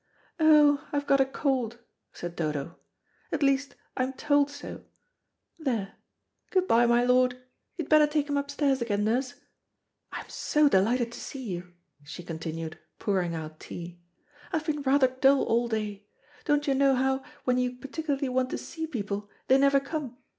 "Oh, I've got a cold," said Dodo, "at least I'm told so. There good bye, my lord. You'd better take him upstairs again, nurse. I am so delighted to see you," she continued; pouring out tea. "I've been rather dull all day. Don't you know how, when you particularly want to see people; they never come.